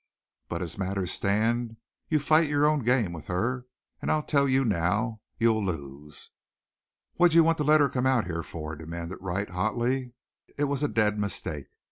But as matters stand you fight your own game with her; and I'll tell you now, you'll lose." "What'd you want to let her come out here for?" demanded Wright hotly. "It was a dead mistake.